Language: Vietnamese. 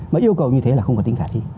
mà yêu cầu như thế là không có tính khả thi